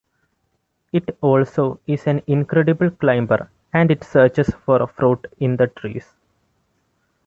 It also is an incredible climber and it searches for fruit in the trees.